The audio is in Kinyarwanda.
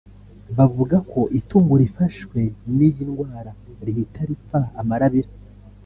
Bavuga ko itungo rifashwe n’iyi indwara rihita ripfa amarabira